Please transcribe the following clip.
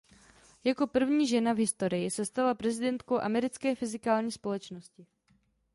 Jako první žena v historii se stala prezidentkou Americké fyzikální společnosti.